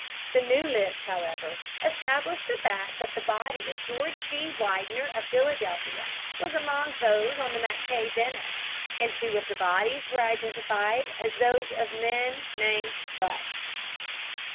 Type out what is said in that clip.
The new list, however, established the fact that the body of George D. Widener, of Philadelphia, was among those on the Mackay Bennett, and two of the bodies were identified as those of men named Butt.